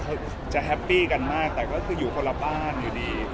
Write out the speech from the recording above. เขาจะแฮปปี้กันมากแต่ก็คืออยู่คนละบ้านอยู่ดี